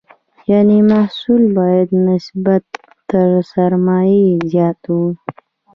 یعنې محصول باید نسبت تر سرمایې زیات وي.